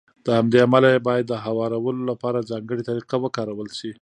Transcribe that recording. له همدې امله يې بايد د هوارولو لپاره ځانګړې طريقه وکارول شي.